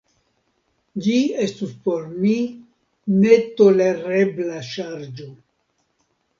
Ĝi estus por mi netolerebla ŝarĝo.